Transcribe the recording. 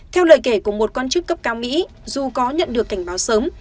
theo lời kể của một quan chức cấp cao mỹ dù có nhận được cảnh báo sớm